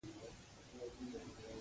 مهرباني کړې وه.